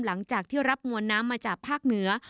หลังจากที่รับมวลน้ำมาจากภาคเหนือ